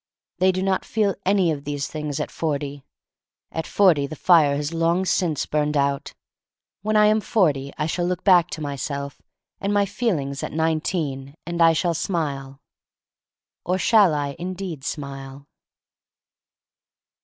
They do not feel any of these things at forty. At forty the fire has long since burned out. When I am forty I shall look back to myself and my feelings at nineteen — and I shall smile. Or shall I indeed smile?